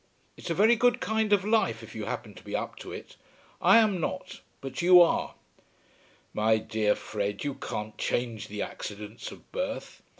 It's a very good kind of life, if you happen to be up to it. I am not, but you are." "My dear Fred, you can't change the accidents of birth."